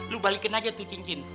lu balikin aja tuh cincin